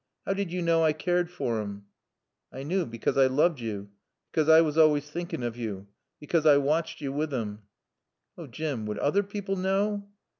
How did you know I cared for him?" "I knew because I looved yo. Because I was always thinkin' of yo. Because I watched yo with him." "Oh Jim would other people know?"